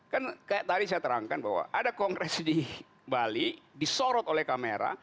kan kayak tadi saya terangkan bahwa ada kongres di bali disorot oleh kamera